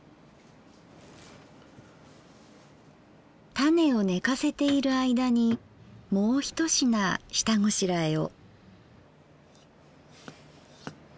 タネをねかせている間にもう一品下ごしらえを。